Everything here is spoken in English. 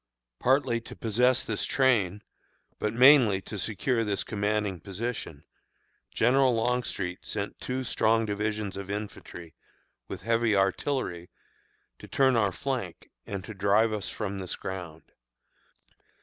Partly to possess this train, but mainly to secure this commanding position, General Longstreet sent two strong divisions of infantry, with heavy artillery, to turn our flank, and to drive us from this ground.